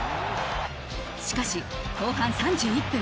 しかし、後半３１分。